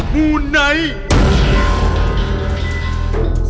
มูไนท์